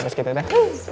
terus kita deh